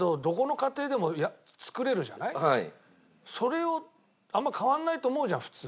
それをあんまり変わらないと思うじゃん普通。